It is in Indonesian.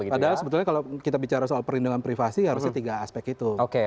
padahal sebetulnya kalau kita bicara soal perlindungan privasi harusnya tiga aspek itu